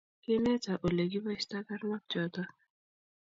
Kiineta ole kipoisotoi karnok choto